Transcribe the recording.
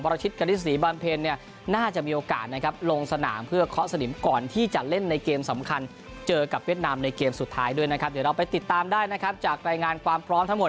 วรชิดกระทิศศรีบำเพลน่าจะมีโอกาสโลงสนาม